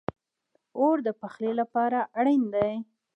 اور د پخلی لپاره اړین دی